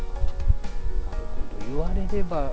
なるほど、言われれば。